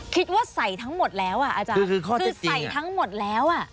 คิดว่าใส่ทั้งหมดแล้วอ่ะอาจารย์คือใส่ทั้งหมดแล้วอ่ะ